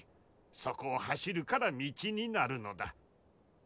そこを走るから道になるのだ。